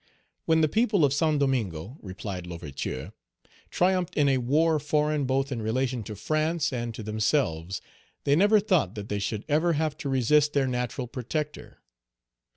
"When the people of Saint Domingo," replied L'Ouverture, "triumphed in a war foreign both in relation to France and to themselves, they never thought that they should ever have to resist their natural protector.